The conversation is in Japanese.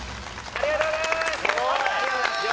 ありがとうございます